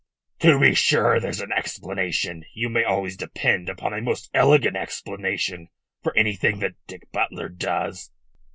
"To be sure, there's an explanation. You may always depend upon a most elegant explanation for anything that Dick Butler does.